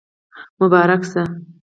مبارک شه